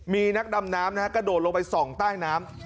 มีนักดำน้ำกระโดดลงไปส่องใต้น้ำ